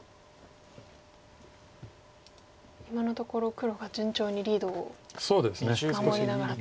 今のところ黒が順調にリードを守りながらと。